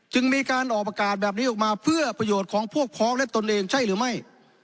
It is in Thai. จึงมีการออกประกาศแบบนี้ออกมาเพื่อประโยชน์ของพวกพ้องและตนเองใช่หรือไม่